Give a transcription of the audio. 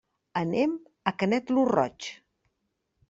Anem a Canet lo Roig.